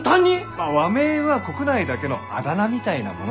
まあ和名は国内だけのあだ名みたいなものだからね。